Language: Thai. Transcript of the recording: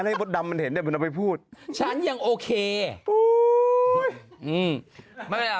ให้บทดำมันเห็นได้มึงเอาไปพูดฉันยังโอเคอุ้ยอืมไม่เป็นไร